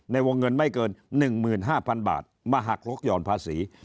ในวงเงินไม่เกิน๑๕๐๐๐บาทมาหักลกห่อนภาษี